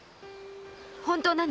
本当なの？